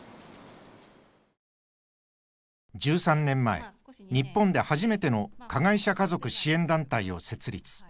１３年前日本で初めての加害者家族支援団体を設立。